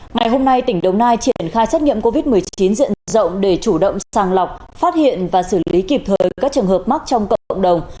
ngày hôm nay tỉnh đồng nai triển khai xét nghiệm covid một mươi chín diện rộng để chủ động sàng lọc phát hiện và xử lý kịp thời các trường hợp mắc trong cộng đồng